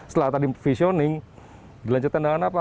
setelah tadi visioning dilanjutkan dengan apa